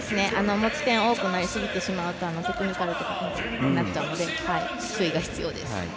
持ち点が多くなりすぎるとテクニカルとかになっちゃうので注意が必要です。